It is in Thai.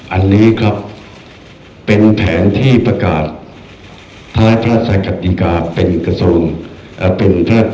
อันนี้ครับเป็นแผนที่ประกาศท้ายพระราชกติกาเป็นกระทรวง